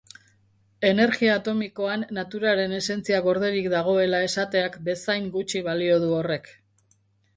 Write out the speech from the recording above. Energia atomikoan naturaren esentzia gorderik dagoela esateak bezain gutxi balio du horrek.